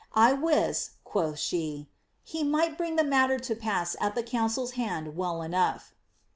I wis," quoth she, ^ he might bring the matter to pass at the counciPs hands well enough."